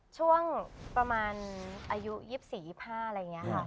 ช่วงประมาณอายุ๒๔๒๕อะไรอย่างนี้ค่ะ